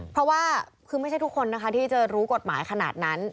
เพราะว่าคือไม่ใช่ทุกคนนะคะที่จะรู้กฎหมายขนาดนั้น